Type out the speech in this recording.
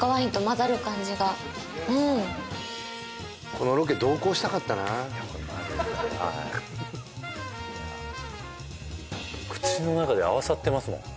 このロケ同行したかったなはい口の中で合わさってますもん